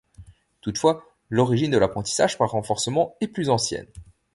Toutefois, l'origine de l'apprentissage par renforcement est plus ancienne.